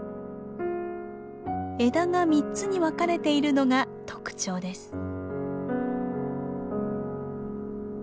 枝が三つに分かれているのが特徴です。